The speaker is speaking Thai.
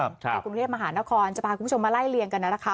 ในกรุงเทพมหานครจะพาคุณผู้ชมมาไล่เลี่ยงกันนะคะ